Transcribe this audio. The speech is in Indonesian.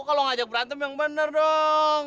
oh kalau ngajak berantem yang bener dong